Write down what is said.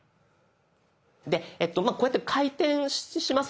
でこうやって回転しますよね。